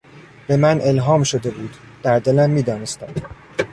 به من الهام شده بود، در دلم میدانستم.